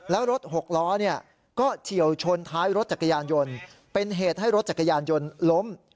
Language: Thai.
แล้วรถหกล้อก็เฉียวชนท้ายรถจักรยานยนต์เป็นเหตุให้รถจักรยานยนต์ล้ม